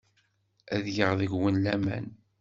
Ad geɣ deg-wen laman.